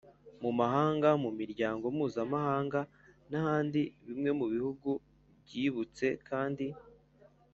Mu mahanga mu miryango mpuzamahanga n ahandi bimwe mu bihugu byibutse kandi